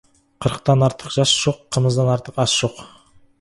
Қырықтан артық жас жоқ, қымыздан артық ас жоқ.